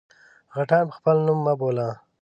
_غټان په خپل نوم مه بوله!